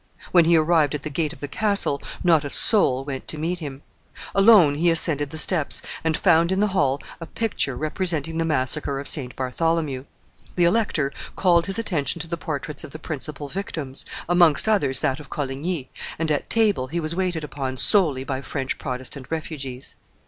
When he arrived at the gate of the castle, not a soul went to meet him; alone he ascended the steps, and found in the hall a picture representing the massacre of St. Bartholomew; the elector called his attention to the portraits of the principal victims, amongst others that of Coligny, and at table he was waited upon solely by French Protestant refugees.